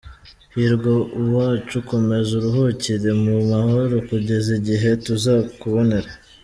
Hirwa wacu komeza uruhukire mu mahoro kugeza igihe tuzakubonera.